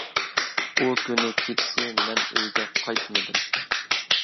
ئۇ كۈنى كېچىسى، مەن ئۆيگە قايتمىدىم.